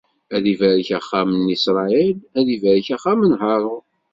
Ad ibarek axxam n Isṛayil, ad ibarek axxam n Harun.